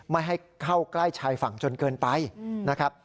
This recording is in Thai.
ไม่ให้เข้าใกล้ชายฝั่งจนเกินไปนะครับ